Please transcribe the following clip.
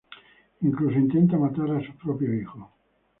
Incluso intenta matar a sus propios hijos.